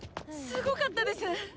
すごかったです！